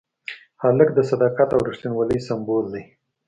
هلک د صداقت او ریښتینولۍ سمبول دی.